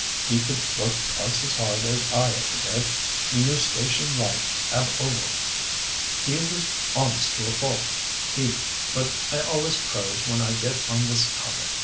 He could work twice as hard as I ever did; he knew station life ab ovo. He was honest to a fault. He—but I always prose when I get on this topic.